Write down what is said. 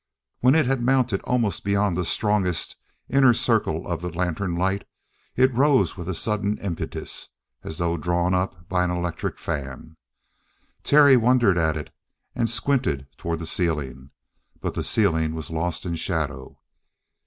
When it had mounted almost beyond the strongest inner circle of the lantern light, it rose with a sudden impetus, as though drawn up by an electric fan. Terry wondered at it, and squinted toward the ceiling, but the ceiling was lost in shadow.